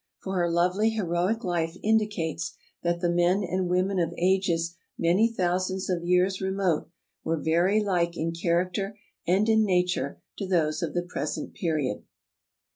For her lovely heroic life indicates that the men and women of ages many thousands of years remote were very like in character and in nature to those of the present period.